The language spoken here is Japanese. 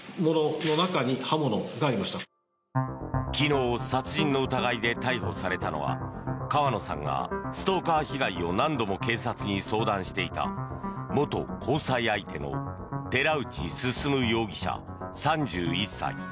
昨日、殺人の疑いで逮捕されたのは川野さんがストーカー被害を何度も警察に相談していた元交際相手の寺内進容疑者、３１歳。